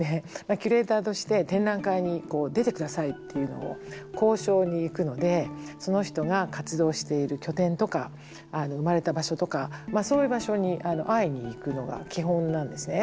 キュレーターとして「展覧会に出て下さい」っていうのを交渉に行くのでその人が活動している拠点とか生まれた場所とかまあそういう場所に会いに行くのが基本なんですね。